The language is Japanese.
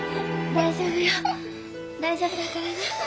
大丈夫だからね。